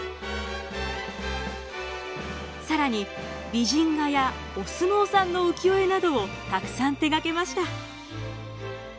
更に美人画やお相撲さんの浮世絵などをたくさん手がけました。